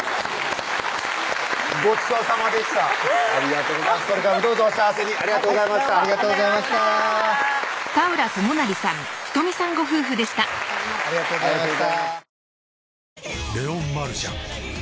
ごちそうさまでしたこれからもどうぞお幸せにありがとうございましたありがとうございましたありがとうございました